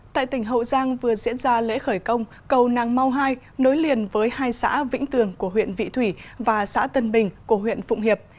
tại tỉnh hậu giang vừa diễn ra lễ khởi công cầu nàng mau hai nối liền với hai xã vĩnh tường của huyện vị thủy và xã tân bình của huyện phụng hiệp